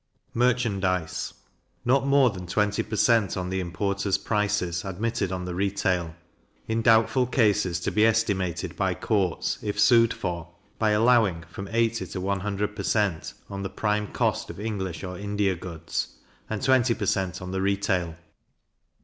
Merchandize. Not more than twenty per cent. on the importer's prices admitted on the retail; in doubtful cases, to be estimated by courts, if sued for, by allowing from 80 to 100 per cent. on the prime cost of English or India goods, and 20 per cent. on the retail.